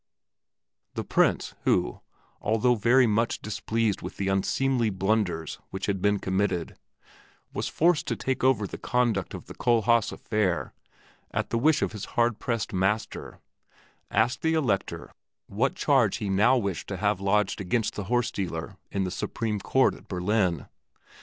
The Prince, who, although very much displeased with the unseemly blunders which had been committed, was forced to take over the conduct of the Kohlhaas affair at the wish of his hard pressed master, asked the Elector what charge he now wished to have lodged against the horse dealer in the Supreme Court at Berlin.